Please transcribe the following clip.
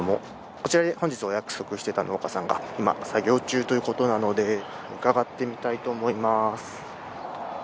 こちらで本日お約束していた農家さんが今作業中ということなので伺ってみたいと思います。